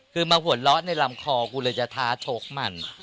คือมาหัวเราะในลำคอกูเลยจะท้าชกมัน